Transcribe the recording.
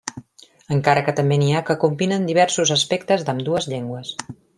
Encara que també n'hi ha que combinen diversos aspectes d'ambdues llengües.